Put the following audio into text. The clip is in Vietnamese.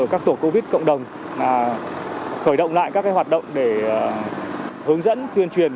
các tổ covid cộng đồng khởi động lại các hoạt động để hướng dẫn tuyên truyền